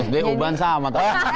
dia ubahan sama